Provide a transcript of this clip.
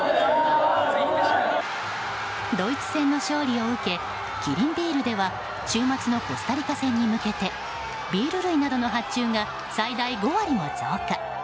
ドイツ戦の勝利を受けキリンビールでは週末のコスタリカ戦に向けてビール類などの発注が最大５割も増加。